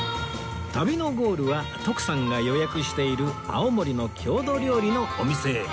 旅のゴールは徳さんが予約している青森の郷土料理のお店へ